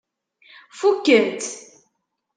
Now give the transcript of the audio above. Fukken-tt?